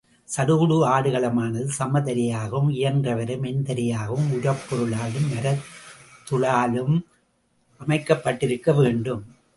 சடுகுடு ஆடுகளமானது சம தரையாகவும், இயன்ற வரை மென்தரையாகவும், உரப்பொருளாலும், மரத்துளாலும் அமைக்கப்பட்டிருக்க வேண்டும்.